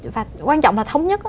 và quan trọng là thống nhất